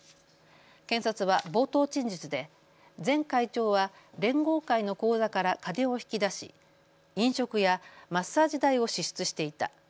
検察は冒頭陳述で前会長は連合会の口座から金を引き出し飲食やマッサージ代を支出していた。